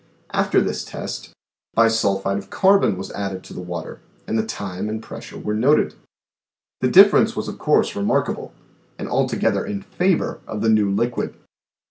After this test, bisulphide of carbon was added to the water, and the time and pres sure were noted. The difference was of course remark able, and altogether in favor of the new liquid.